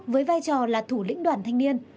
với vai trò là thủ lĩnh đoàn thanh niên